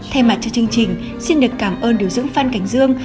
thay mặt cho chương trình xin được cảm ơn điều dưỡng phan cảnh dương